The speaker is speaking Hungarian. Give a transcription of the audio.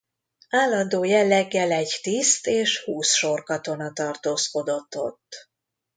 Állandó jelleggel egy tiszt és húsz sorkatona tartózkodott ott.